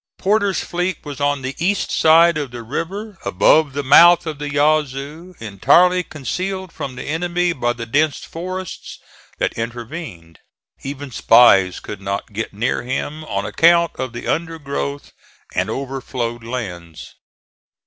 Porter's fleet was on the east side of the river above the mouth of the Yazoo, entirely concealed from the enemy by the dense forests that intervened. Even spies could not get near him, on account of the undergrowth and overflowed lands.